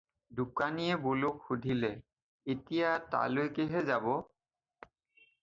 দোকানীয়ে বলোক সুধিলে- "এতিয়া তালৈকেহে যাব?"